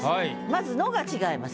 まず「の」が違います。